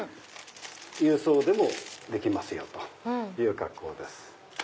郵送でもできますよという格好です。